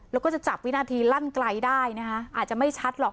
แล้วก็จะจับวินาทีลั่นไกลได้นะคะอาจจะไม่ชัดหรอก